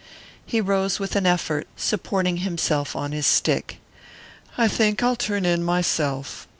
He rose with an effort, supporting himself on his stick. "I think I'll turn in myself.